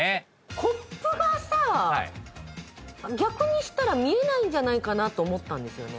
コップがさ逆にしたら見えないんじゃないかなと思ったんですよね